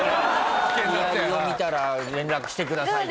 ヒアリを見たら連絡してくださいって。